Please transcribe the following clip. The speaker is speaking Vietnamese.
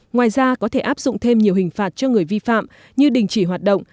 ngoài ra có thể áp dụng thêm nhiều hình phạt cho người vi phạm như đình chỉ hoạt động